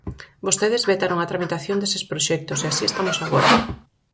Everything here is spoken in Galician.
Vostedes vetaron a tramitación deses proxectos, e así estamos agora.